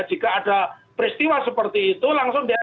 jika ada peristiwa seperti itu langsung di ap tiga